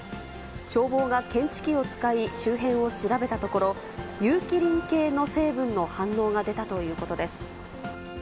消防が検知器を使い、周辺を調べたところ、有機リン系の成分の反応が出たということです。